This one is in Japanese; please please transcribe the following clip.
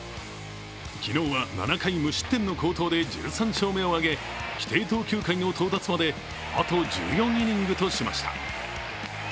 昨日は、７回無失点の好投で１３勝目を挙げ規定投球回の到達まであと１４イニングとしました。